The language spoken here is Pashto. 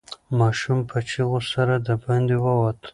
ماشوم په چیغو سره د باندې ووت.